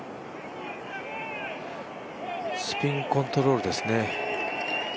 スピンコントロールですね。